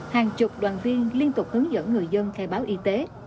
hàng chục đoàn viên liên tục hướng dẫn người dân khai báo y tế